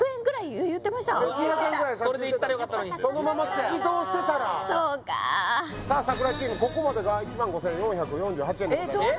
それでいったらよかったのにそのまま突き通してたらそうかさあ櫻井チームここまでが１５４４８円でございますえっ